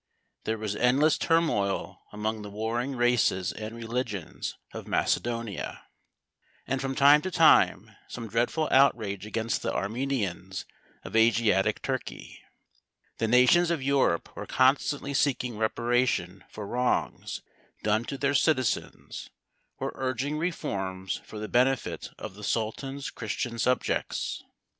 There was endless turmoil among the warring races and religions of Macedonia, and from time to time some dreadful outrage against the Armenians of Asiatic Turkey. The nations of Europe were constantly seeking reparation for wrongs done to their citizens or urging reforms for the benefit of the Sultan's Christian subjects.